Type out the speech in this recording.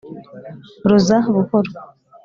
roza buhoro,